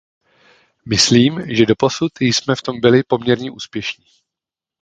Myslím, že doposud jsme v tom byli poměrně úspěšní.